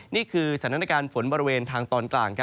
นี่คือสถานการณ์ฝนบริเวณทางตอนกลาง